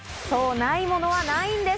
ないものはないです。